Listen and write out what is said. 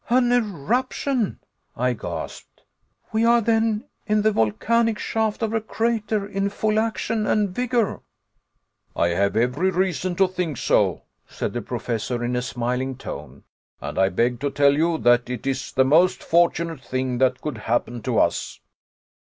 "An eruption," I gasped. "We are, then, in the volcanic shaft of a crater in full action and vigor." "I have every reason to think so," said the Professor in a smiling tone, "and I beg to tell you that it is the most fortunate thing that could happen to us."